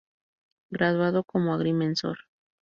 Graduado como agrimensor.